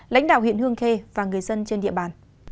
lãnh đạo huyện hương khê và người dân trên địa bàn